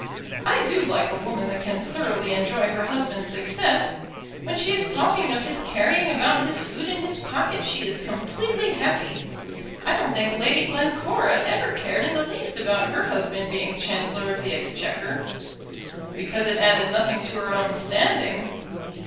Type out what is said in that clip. "I do like a woman that can thoroughly enjoy her husband's success. When she is talking of his carrying about his food in his pocket she is completely happy. I don't think Lady Glencora ever cared in the least about her husband being Chancellor of the Exchequer." "Because it added nothing to her own standing."